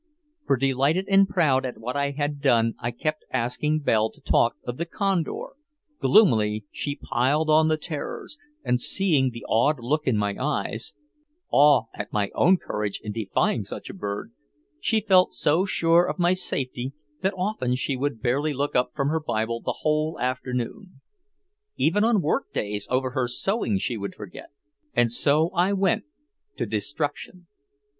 For delighted and proud at what I had done I kept asking Belle to talk of the Condor, gloomily she piled on the terrors, and seeing the awed look in my eyes (awe at my own courage in defying such a bird), she felt so sure of my safety that often she would barely look up from her Bible the whole afternoon. Even on workdays over her sewing she would forget. And so I went "to destruction."